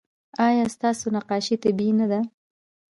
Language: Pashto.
ایا ستاسو نقاشي طبیعي نه ده؟